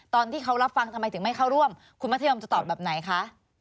ตอนที่เขารับฟังทำไมถึงไม่เข้าร่วมคุณมัธยมจะตอบแบบไหนคะ